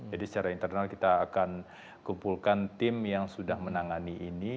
jadi secara internal kita akan kumpulkan tim yang sudah menangani ini